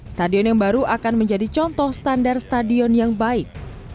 stadion yang baru akan menjadi contoh standar stadion yang baik